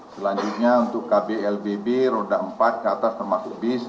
selanjutnya untuk kblbb roda empat ke atas termasuk bis